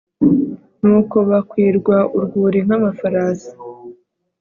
nuko bakwirwa urwuri nk'amafarasi